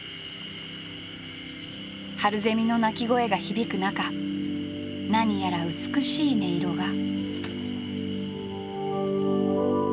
春ゼミの鳴き声が響く中何やら美しい音色が。